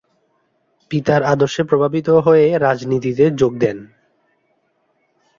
পিতার আদর্শে প্রভাবিত হয়ে রাজনীতিতে যোগ দেন।